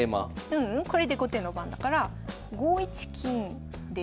ううんこれで後手の番だから５一金で。